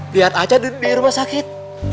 lihat aja di rumah sakit